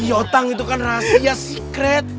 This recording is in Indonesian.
yotang itu kan rahasia secret